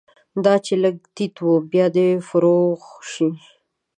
دا چې لږ تت دی، بیا دې فروغ شي